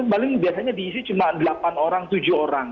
pertama itu diisi cuma delapan orang tujuh orang